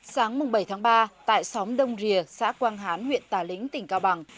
sáng bảy tháng ba tại xóm đông rìa xã quang hán huyện tà lĩnh tỉnh cao bằng